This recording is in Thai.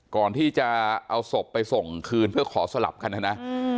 ก่อนที่จะเอาศพไปส่งคืนเพื่อขอสลับกันนะนะ